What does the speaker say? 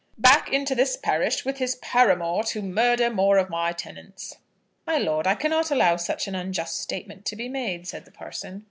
"Back into this parish, with his paramour, to murder more of my tenants." "My lord, I cannot allow such an unjust statement to be made," said the parson.